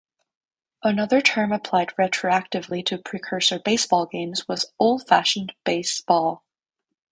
Another term applied retroactively to precursor baseball games was Old Fashioned Base Ball.